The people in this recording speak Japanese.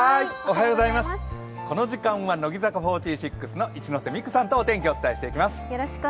この時間は乃木坂４６の一ノ瀬美空さんとお天気をお伝えしていきます